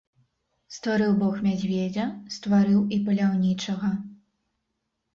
Стварыў бог мядзведзя, стварыў і паляўнічага.